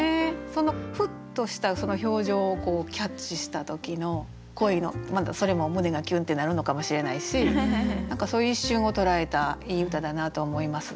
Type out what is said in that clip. そのふっとした表情をキャッチした時の恋のまたそれも胸がキュンってなるのかもしれないし何かそういう一瞬を捉えたいい歌だなと思います。